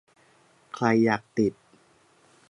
ใครอยากติด